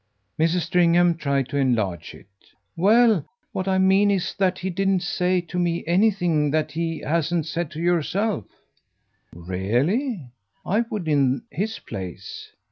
Mrs. Stringham tried to enlarge it. "Well, what I mean is that he didn't say to me anything that he hasn't said to yourself." "Really? I would in his place!"